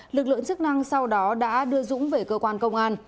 lực lượng chức năng sau đó đã đưa dũng về cơ quan công an